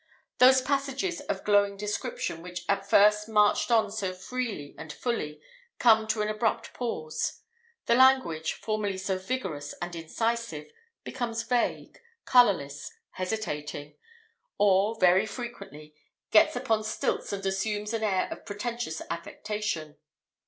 Those passages of glowing description which at first marched on so freely and fully, come to an abrupt pause. The language, formerly so vigorous and incisive, becomes vague, colourless, hesitating; or, very frequently, gets upon stilts and assumes an air of pretentious affectation.